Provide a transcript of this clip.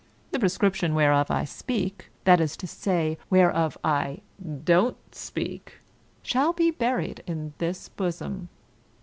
The prescription whereof I speak — that is to say, whereof I don't speak — shall be buried in this bosom.